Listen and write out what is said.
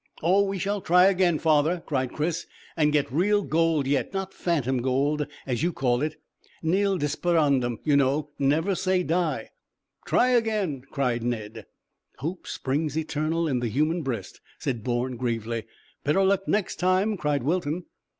"Oh, we shall try again, father," cried Chris, "and get real gold yet, not phantom gold, as you call it. Nil desperandum, you know. Never say die." "Try again!" cried Ned. "Hope springs eternal in the human breast," said Bourne gravely. "Better luck next time," cried Wilton.